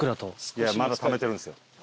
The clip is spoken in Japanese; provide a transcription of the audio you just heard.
いやまだためてるんですよ。